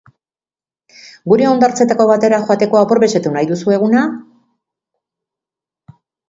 Gure hondartzetako batera joateko aprobetxatu nahi duzu eguna?